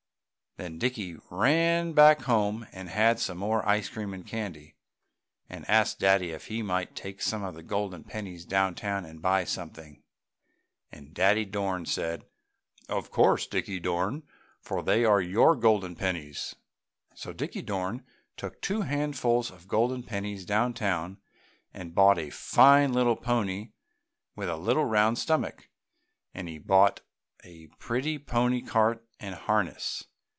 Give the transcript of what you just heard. Then Dickie ran back home and had some more ice cream and candy, and asked Daddy if he might take some of the golden pennies downtown and buy something, and Daddy Dorn said: "Of course, Dickie Dorn, for they are your golden pennies." So Dickie took two handfuls of the golden pennies downtown and bought a fine little pony with a little round stomach, and he bought a pretty pony cart and harness.